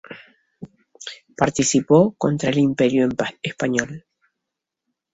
Participó contra el Imperio español.